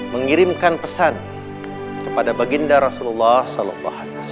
mengirimkan pesan kepada baginda rasulullah saw